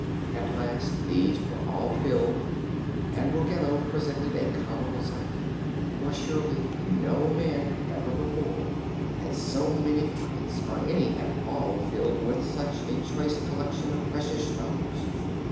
At last these were all filled and Ruggedo presented a comical sight, for surely no man ever before had so many pockets, or any at all filled with such a choice collection of precious stones.